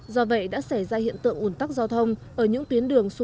do vậy đã xảy ra hiện tại